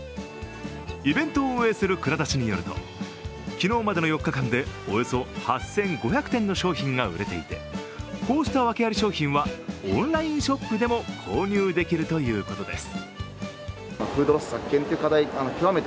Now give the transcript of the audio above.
イベントを運営するＫｕｒａｄａｓｈｉによると昨日までの４日間でおよそ８５００点の商品が売れていて、こうしたワケあり商品はオンラインショップでも購入できるということです。